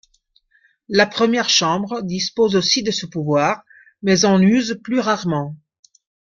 La Première Chambre dispose aussi de ce pouvoir, mais en use plus rarement.